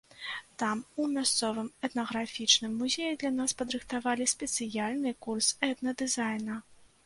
Там, у мясцовым этнаграфічным музеі, для нас падрыхтавалі спецыяльны курс этна-дызайна.